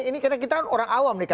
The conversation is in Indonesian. ini karena kita orang awam nih kak